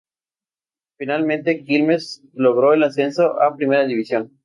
Finalmente, Quilmes logró el ascenso a Primera División.